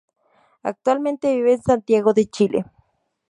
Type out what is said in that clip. Actualmente vive en Santiago de Chile.